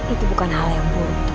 itu bukan hal yang buruk untuk kamu